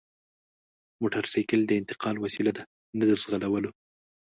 موټرسایکل د انتقال وسیله ده نه د ځغلولو!